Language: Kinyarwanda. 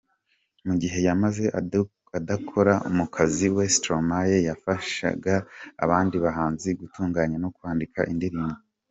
Mu gihe yamaze adakora umuziki we, Stromae yafashaga abandi bahanzi gutunganya no kwandika indirimbo.